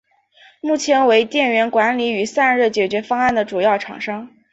目前为电源管理与散热解决方案的主要厂商。